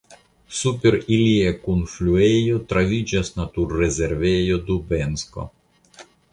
Super ilia kunfluejo troviĝas naturrezervejo Dubensko.